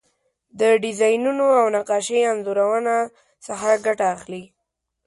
د ډیزاینونو او نقاشۍ انځورونو څخه ګټه اخلي.